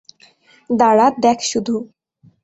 দাঁড়া দেখ শুধু!